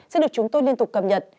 sẽ được chúng tôi liên tục cập nhật